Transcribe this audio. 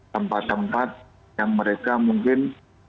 tempat tempat yang mereka mungkin